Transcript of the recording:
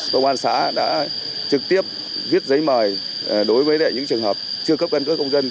công an xã đã trực tiếp viết giấy mời đối với những trường hợp chưa cấp căn cước công dân